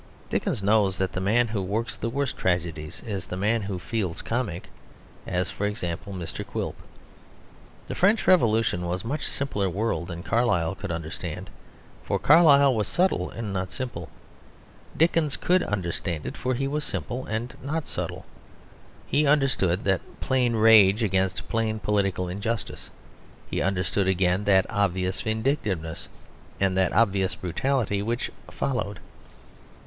Dickens knows that the man who works the worst tragedies is the man who feels comic; as for example, Mr. Quilp. The French Revolution was a much simpler world than Carlyle could understand; for Carlyle was subtle and not simple. Dickens could understand it, for he was simple and not subtle. He understood that plain rage against plain political injustice; he understood again that obvious vindictiveness and that obvious brutality which followed.